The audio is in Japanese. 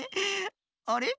あれ？